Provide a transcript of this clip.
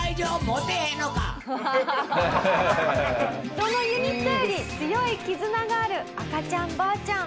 どのユニットより強い絆がある赤ちゃん婆ちゃん。